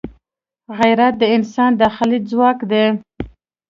غیرت د انسان داخلي ځواک دی